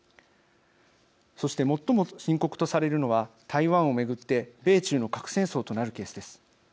そして最も深刻とされるのは台湾を巡って米中の核戦争となるケースです。